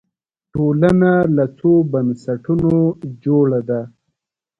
ټولنه له څو بنسټونو جوړه ده